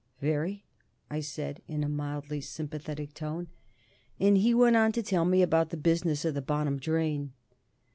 "Very," I said in a mildly sympathetic tone, and he went on to tell me about that business of the Bonham drain.